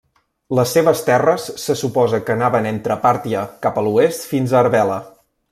Les seves terres se suposa que anaven entre Pàrtia cap a l'oest fins a Arbela.